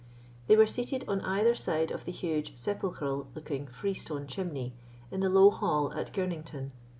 They were seated on either side of the huge sepulchral looking freestone chimney in the low hall at Girnington.